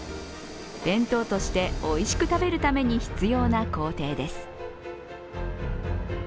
弁当としておいしく食べるために必要な工程です。